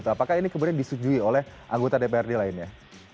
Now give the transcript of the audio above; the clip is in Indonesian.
apakah ini kemudian disetujui oleh anggota dprd lainnya